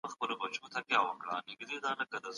هغه څېړني چي په ساده ژبه لیکل کیږي ډېر لوستونکي لري.